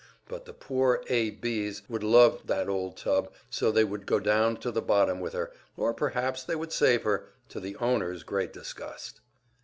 But the poor A. Bs. would love that old tub so that they would go down to the bottom with her or perhaps they would save her, to the owners great disgust!